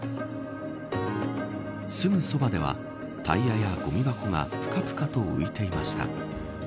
すぐそばではタイヤやごみ箱がぷかぷかと浮いていました。